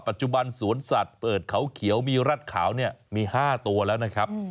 ปัจจุบันสวนสัตว์เปิดเขาเขียวมีรัฐขาวเนี่ยมี๕ตัวแล้วนะครับ